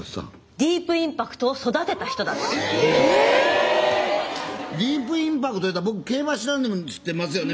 ディープインパクトいうたら僕競馬知らんでも知ってますよね。